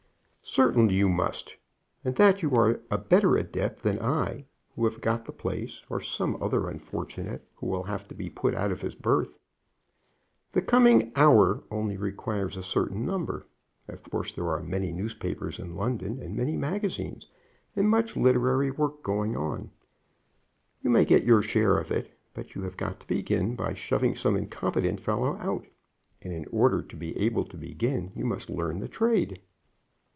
"Certainly you must; and that you are a better adept than I who have got the place, or some other unfortunate who will have to be put out of his berth. The Coming Hour only requires a certain number. Of course there are many newspapers in London, and many magazines, and much literary work going. You may get your share of it, but you have got to begin by shoving some incompetent fellow out. And in order to be able to begin you must learn the trade."